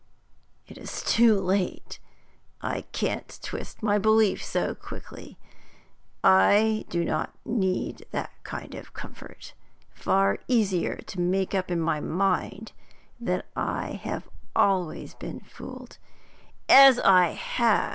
'It is too late; I can't twist my belief so quickly. I do not need that kind of comfort; far easier to make up my mind that I have always been fooled as I have!'